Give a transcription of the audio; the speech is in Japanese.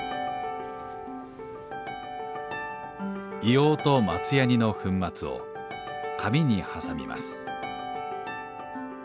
硫黄と松やにの粉末を紙に挟みます。